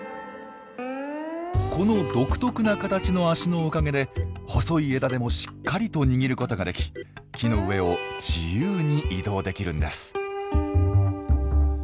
この独特な形の足のおかげで細い枝でもしっかりと握ることができ木の上を自由に移動できるんです。